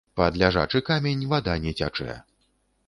Пад ляжачы камень вада не цячэ.